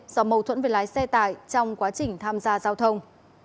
do mâu thuẫn với lái xe tải trong quá trình tham gia giao thông